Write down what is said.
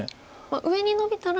上にノビたら。